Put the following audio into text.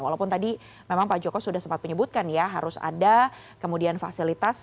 walaupun tadi memang pak joko sudah sempat menyebutkan ya harus ada kemudian fasilitas